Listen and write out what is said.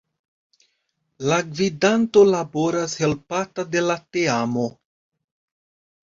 La Gvidanto laboras helpata de la Teamo.